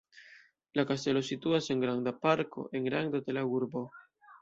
La kastelo situas en granda parko en rando de la urbo.